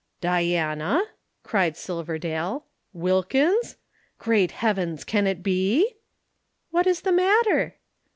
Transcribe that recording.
"Diana?" cried Silverdale. "Wilkins? Great heavens, can it be?" "What is the matter?"